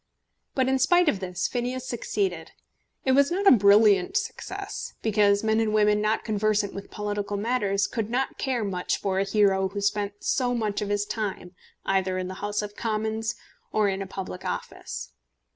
But in spite of this Phineas succeeded. It was not a brilliant success, because men and women not conversant with political matters could not care much for a hero who spent so much of his time either in the House of Commons or in a public office.